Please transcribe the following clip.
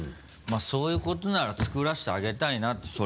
まぁそういうことならつくらせてあげたいなと。